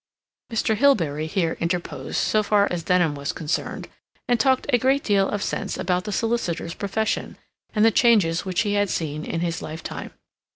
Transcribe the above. Mr. Hilbery here interposed so far as Denham was concerned, and talked a great deal of sense about the solicitors' profession, and the changes which he had seen in his lifetime.